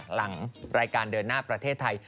หลังรายการเดินหน้าประเทศไทย